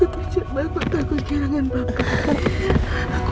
mama gak mau kamu nanti jadi cemas lagi